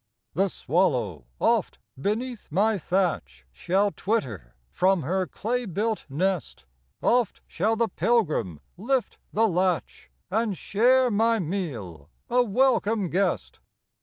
The swallow, oft, beneath my thatch, Shall twitter from her clay built nest; Oft shall the pilgrim lift the latch, And share my meal, a welcome guest.